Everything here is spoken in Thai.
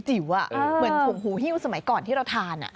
เหมือนผงหูฮิ้วสมัยก่อนที่เราทาน